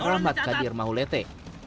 rahmat kadir mahulete